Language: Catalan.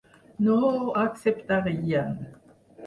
No ho acceptarien.